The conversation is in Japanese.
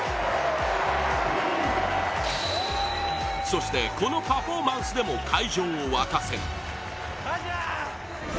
そして、このパフォーマンスでも会場を沸かせる。